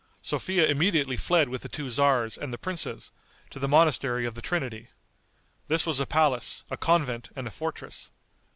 Sophia immediately fled with the two tzars and the princes, to the monastery of the Trinity. This was a palace, a convent and a fortress.